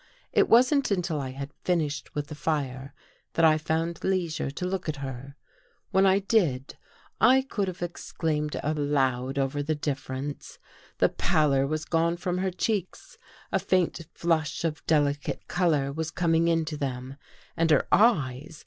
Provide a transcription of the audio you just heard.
It wasn't until I had finished with the fire that I found leisure to look at her. When I did, I could have exclaimed aloud over the difference. The 289 THE GHOST GIRL pallor was gone from her cheeks, a faint flush of delicate color was coming into them. And her eyes